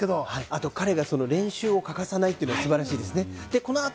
あと彼が練習を欠かさないというのもステキですね。